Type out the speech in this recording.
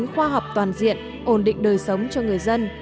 khoa học toàn diện ổn định đời sống cho người dân